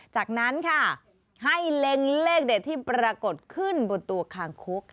จากนั้นค่ะให้เล็งเลขเด็ดที่ปรากฏขึ้นบนตัวคางคก